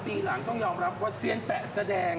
ปีหลังต้องยอมรับว่าเซียนแปะแสดง